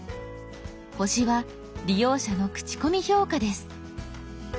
「星」は利用者の口コミ評価です。